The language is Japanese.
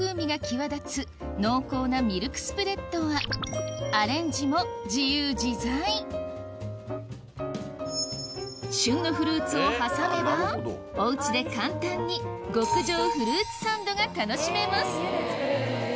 が際立つ濃厚なミルクスプレッドはアレンジも自由自在旬のフルーツを挟めばおうちで簡単に極上フルーツサンドが楽しめます